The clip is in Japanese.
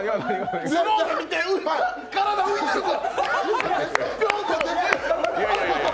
スローで見て、体浮いてるから。